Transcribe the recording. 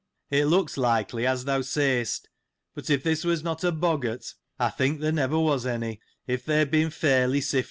It looks likely as thou sayst ; but, if this was not a boggart I think there never was any, if they had been fairly sifted into.